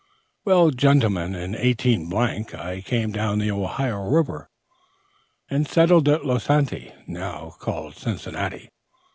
"Well gentlemen, in 18 I came down the Ohio River, and settled at Losanti, now called Cincinnati.